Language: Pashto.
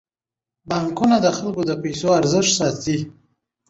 بانکونه د خلکو د پيسو ارزښت ساتي.